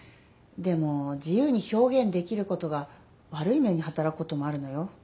でも自由に表現できることが悪い面にはたらくこともあるのよ。